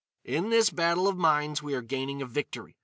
"In this battle of minds we are gaining a victory.